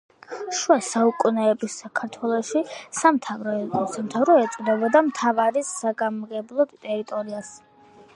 შუა საუკუნეების საქართველოში, სამთავრო ეწოდებოდა მთავარის საგამგებლო ტერიტორიას.